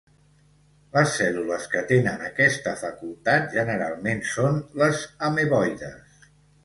Les cèl·lules que tenen aquesta facultat generalment són les ameboides.